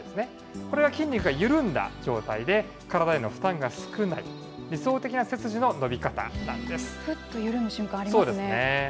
これが筋肉が緩んだ状態で、体への負担が少ない、理想的な背筋のふっと緩む瞬間、ありますね。